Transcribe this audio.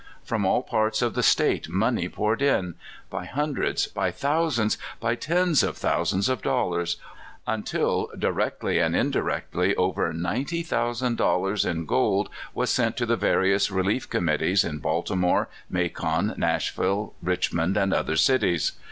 From all parts of the State money poured in — by hundreds, by thou sands, by tens of thousands of dollars, until directly and indirectly over ninety thousand dollars in gold was sent to the various relief committees in Balti more, Macon, Nashville, Kichmond, and other cities.